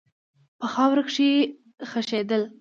په خاوره کښې خښېدل